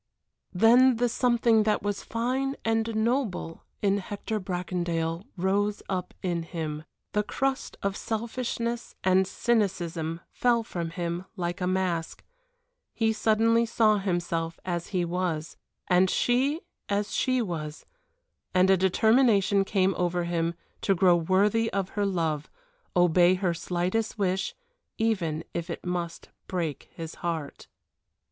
Then the something that was fine and noble in Hector Bracondale rose up in him the crust of selfishness and cynicism fell from him like a mask. He suddenly saw himself as he was, and she as she was and a determination came over him to grow worthy of her love, obey her slightest wish, even if it must break his heart.